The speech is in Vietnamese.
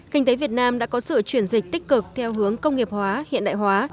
kinh tế việt nam đã có sự chuyển dịch tích cực theo hướng công nghiệp hóa hiện đại hóa